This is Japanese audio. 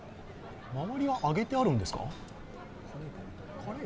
周りは揚げてあるんですか。